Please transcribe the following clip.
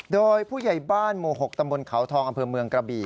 โดยผู้ใหญ่บ้านหมู่๖ตำบลเขาทองอำเภอเมืองกระบี่